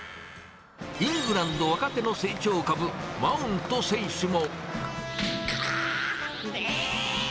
イングランド若手の成長株、マウント選手も。